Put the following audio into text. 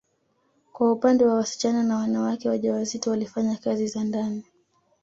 Kwa upande wa wasichana na wanawake wajawazito walifanya kazi za ndani